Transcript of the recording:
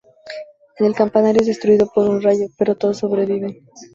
El campanario es destruido por un rayo, pero todos sobreviven.